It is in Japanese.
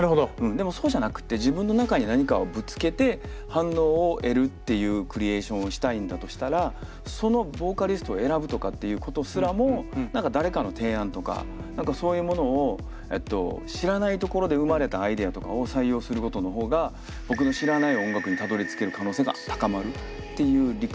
でもそうじゃなくて自分の中に何かをぶつけて反応を得るっていうクリエーションをしたいんだとしたらその何かそういうものを知らないところで生まれたアイデアとかを採用することの方が僕の知らない音楽にたどりつける可能性が高まるっていう理屈です。